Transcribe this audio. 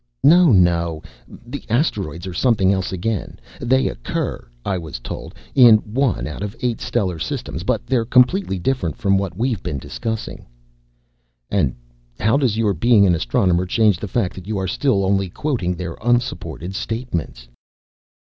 "No, no. The asteroids are something else again. They occur, I was told, in one out of eight stellar systems, but they're completely different from what we've been discussing." "And how does your being an astronomer change the fact that you are still only quoting their unsupported statements?"